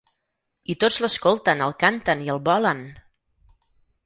I tots l’escolten, el canten i el volen!